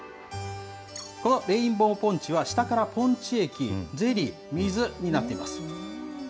このレインボーポンチは下からポンチ液、ゼリー、水になっています。